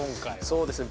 そうですね。